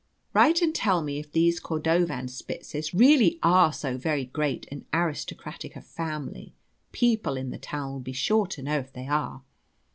Write and tell me if these Cordovanspitzes really are so very great and aristocratic a family people in the town will be sure to know if they are.